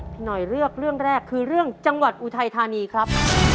พี่หน่อยเลือกเรื่องแรกคือเรื่องจังหวัดอุทัยธานีครับ